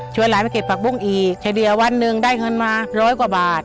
ช่วยหลานไปเก็บผักปุ้งอีกใช้เดียววันหนึ่งได้เงินมาร้อยกว่าบาท